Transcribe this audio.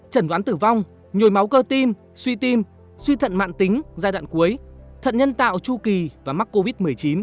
trần đoán tử vong nhồi máu cơ tim suy tim suy thận mạng tính giai đoạn cuối thận nhân tạo chu kỳ và mắc covid một mươi chín